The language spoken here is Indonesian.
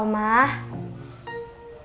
kok mau ngumpet